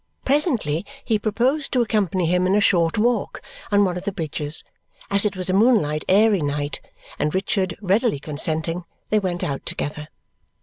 Presently he proposed to accompany him in a short walk on one of the bridges, as it was a moonlight airy night; and Richard readily consenting, they went out together.